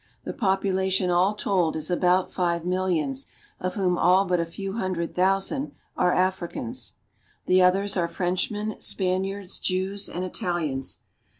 The population all told is about five millions, of whom all but a few hundred thousand are Africans. The others are Frenchmen, Spaniards, Jews, and Italians.